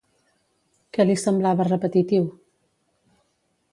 Què li semblava repetitiu?